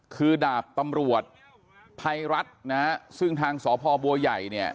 คือดาบตำรวจภัยรัฐนะฮะซึ่งทางสพบัวใหญ่เนี่ย